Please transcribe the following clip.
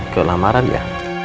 ke lamaran ya